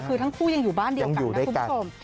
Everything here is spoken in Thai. คือทั้งคู่ยังอยู่บ้านเดียวกันนะคุณผู้ชม